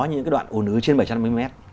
những cái đoạn ồn ứ trên bảy trăm năm mươi mét